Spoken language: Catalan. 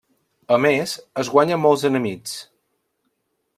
A més, es guanya molts enemics.